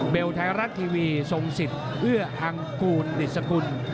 เบลไทรัฐทีวีสงสิตเอื้ออังกูลดิสกุล